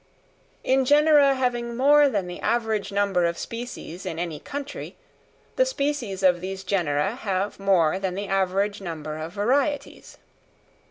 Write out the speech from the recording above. In genera having more than the average number of species in any country, the species of these genera have more than the average number of varieties.